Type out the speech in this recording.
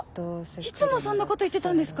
いつもそんなこと言ってたんですか？